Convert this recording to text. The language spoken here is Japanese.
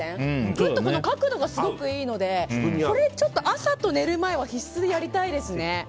ぐっと、角度がすごくいいのでこれ朝と寝る前は必須でやりたいですね。